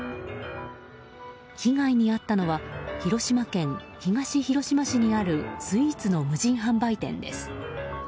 被害に遭ったのは広島県東広島市にあるスイーツの無人販売店です。